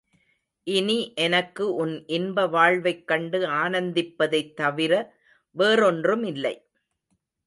இனி எனக்கு உன் இன்ப வாழ்வைக் கண்டு ஆனந்திப்பதைத் தவிர வேறொன்றுமில்லை.